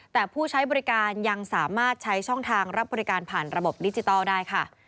แต่ผู้ใช้บริการยังสามารถใช้ช่องทางรับบริการผ่านระบบดิจิทัลได้ค่ะ